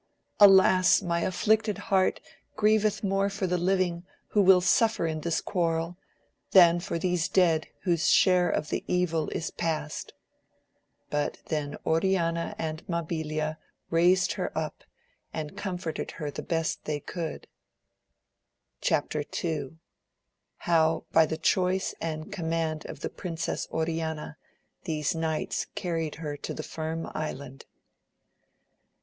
Alas, my afflicted heart grieveth more for the living who will suffer in this quarrel, than for these dead whose share of the evil is past ! But then Oriana and Mabilia raised her up and comforted her the best they could. Chap. II. — How by the choice and command of fche Princess Oriana, these Knights carried her to the Firm Island.